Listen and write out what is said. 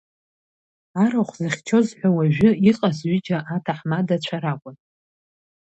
Арахә зыхьчоз ҳәа, уажәы, иҟаз ҩыџьа аҭаҳмадацәа ракәын.